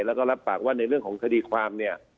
แล้วก็รับปากว่าในเรื่องของคดีความเนี่ย